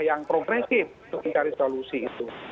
yang progresif untuk mencari solusi itu